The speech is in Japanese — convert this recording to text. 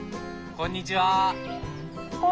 こんにちは。